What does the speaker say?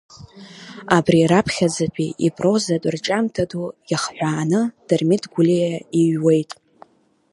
Абри раԥхьаӡатәи ипрозатә рҿиамҭа ду иахҳәааны Дырмит Гәлиа иҩуеит…